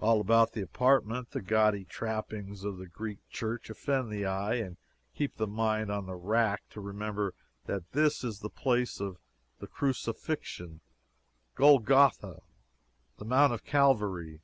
All about the apartment the gaudy trappings of the Greek Church offend the eye and keep the mind on the rack to remember that this is the Place of the Crucifixion Golgotha the Mount of Calvary.